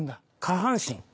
下半身？